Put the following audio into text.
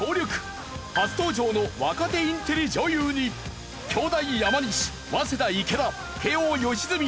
初登場の若手インテリ女優に京大山西早稲田池田慶應良純。